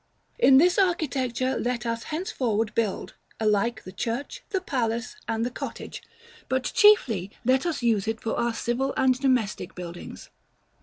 In this architecture let us henceforward build, alike the church, the palace, and the cottage; but chiefly let us use it for our civil and domestic buildings.